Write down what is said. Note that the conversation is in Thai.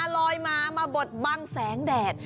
ลอยมามาบดบังแสงแดด